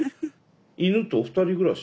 犬と二人暮らし？